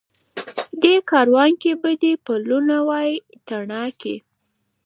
دې کاروان کي به دي پلونه وای تڼاکي